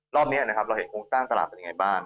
รอบนี้นะครับเราเห็นโครงสร้างตลาดเป็นยังไงบ้าง